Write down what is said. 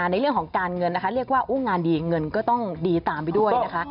ในเรื่องของการเงินนะคะเรียกว่างานดีเงินก็ต้องดีตามไปด้วยนะคะ